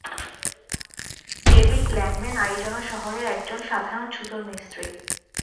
David Langman আরিজোনা শহরের এক জন সাধারণ ছুতোর মিস্ত্রী।